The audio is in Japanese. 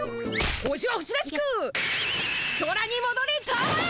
星は星らしく空にもどりたまえ！